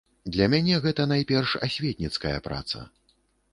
Для мяне гэта найперш асветніцкая праца.